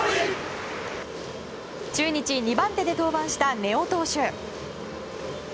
中日２番手で登板した根尾投手。